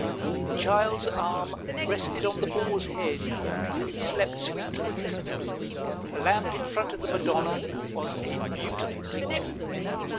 The child's arm rested on the boar's head, and he slept sweetly; the lamp in front of the Madonna was a beautiful picture.